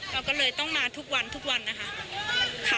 เราก็เลยต้องมาทุกวันทุกวันนะคะ